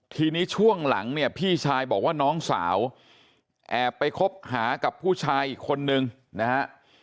ทีนี้ช่วงหลังเนี่ยพี่ชายบอกว่าน้องสาวแอบไปคบหากับผู้ชายอีกคนนึงนะฮะ